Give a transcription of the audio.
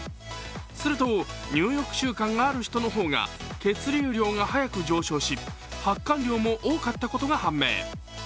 すると、入浴習慣がある人の方が血流量が早く上昇し、発汗量も多かったことが判明。